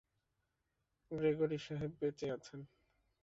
Gregory সাহেব বেঁচে আছেন।